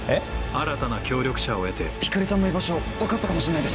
新たな協力者を得て光莉さんの居場所分かったかもしれないです。